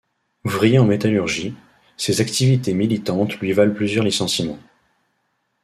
Ouvrier en métallurgie, ses activités militantes lui valent plusieurs licenciements.